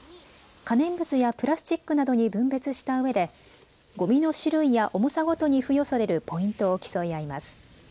可燃物やプラスチックなどに分別したうえでごみの種類や重さごとに付与されるポイントを競い合います。